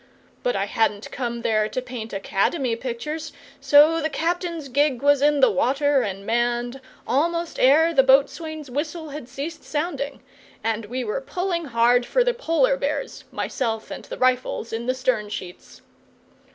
But I hadn't come there to paint Academy pictures, so the captain's gig was in the water and manned almost ere the boatswain's whistle had ceased sounding, and we were pulling hard for the Polar bears myself and the rifles in the stern sheets.